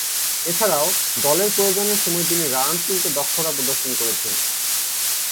এছাড়াও, দলের প্রয়োজনের সময়ে তিনি রান তুলতে দক্ষতা প্রদর্শন করেছেন।